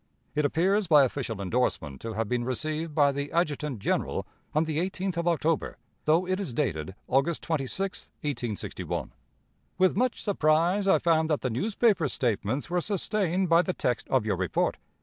It appears, by official endorsement, to have been received by the Adjutant General on the 18th of October, though it is dated August 26, 1861. "With much surprise I found that the newspaper statements were sustained by the text of your report.